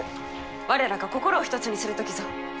我らが心を一つにする時ぞ。